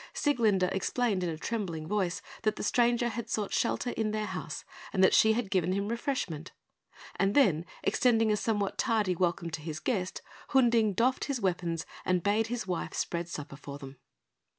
Sieglinde explained in a trembling voice that the stranger had sought shelter in their house, and that she had given him refreshment; and then, extending a somewhat tardy welcome to his guest, Hunding doffed his weapons and bade his wife spread supper for them.